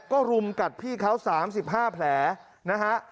ก็รุมกัดพี่เขา๓๕แผลนะฮะ